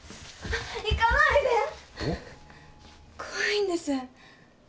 怖いんです。